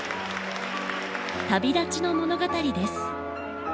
旅立ちの物語です。